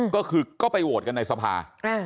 ก็คือก็ไปโหวตกันในสภา